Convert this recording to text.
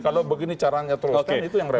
kalau begini caranya terus kan itu yang repot